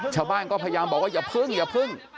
ชาวบ้านก็พยายามบอกว่าอย่าพึ่ง